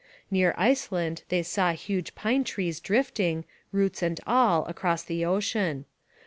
Near Iceland they saw huge pine trees drifting, roots and all, across the ocean.